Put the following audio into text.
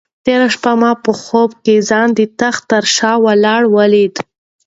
تېره شپه مې په خوب کې ځان د تخت تر شا ولاړه ولیده.